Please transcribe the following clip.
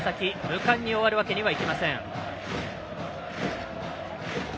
無冠に終わるわけにはいきません。